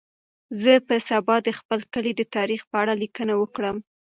زه به سبا د خپل کلي د تاریخ په اړه لیکنه وکړم.